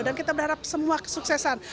dan kita berharap semua kesuksesan